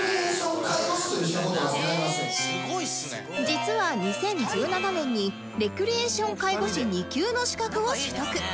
実は２０１７年にレクリエーション介護士２級の資格を取得